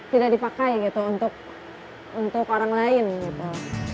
tidak dipakai gitu untuk orang lain gitu